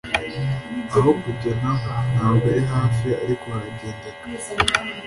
aho tujya naho ntabwo ari hafi ariko haragendeka